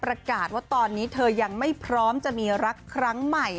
ประกาศว่าตอนนี้เธอยังไม่พร้อมจะมีรักครั้งใหม่